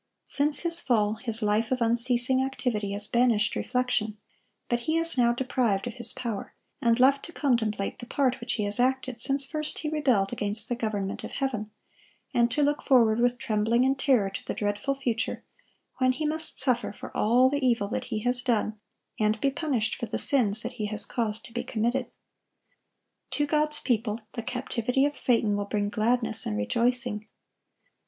Since his fall, his life of unceasing activity has banished reflection; but he is now deprived of his power, and left to contemplate the part which he has acted since first he rebelled against the government of heaven, and to look forward with trembling and terror to the dreadful future, when he must suffer for all the evil that he has done, and be punished for the sins that he has caused to be committed. To God's people, the captivity of Satan will bring gladness and rejoicing.